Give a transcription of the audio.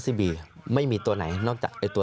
สามารถรู้ได้เลยเหรอคะ